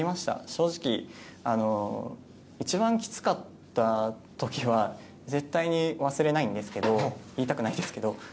正直、一番きつかった時は絶対に忘れないんですけど言いたくないんですけど。